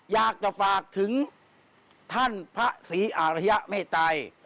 อยากจะฝากถึงท่านพระศรีอารยะเมตัย